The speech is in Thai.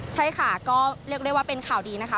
ใช่ค่ะก็เรียกได้ว่าเป็นข่าวดีนะคะ